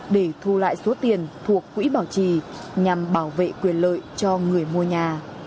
để thu lại số tiền thuộc quỹ bảo trì nhằm bảo vệ quyền lợi cho người mua nhà